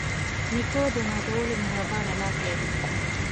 نیکه د نازولو مهربانه لاس لري.